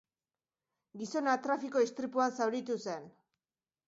Gizona trafiko-istripuan zauritu zen.